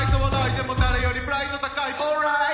でも誰よりプライド高いオーライ！